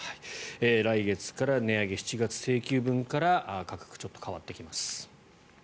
来月から値上げ７月請求分から価格がちょっと変わってきます。